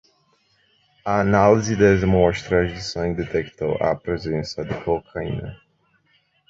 A análise das amostras de sangue detectou a presença de cocaína